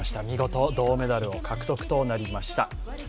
見事銅メダルを獲得となりました。